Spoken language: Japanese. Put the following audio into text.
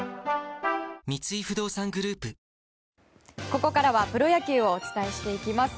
ここからはプロ野球をお伝えしていきます。